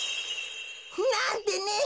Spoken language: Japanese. なんてね！